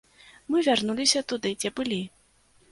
Мы вярнуліся туды, дзе былі.